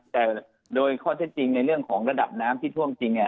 แต่โดยข้อเท็จจริงในเรื่องของระดับน้ำที่ท่วมจริง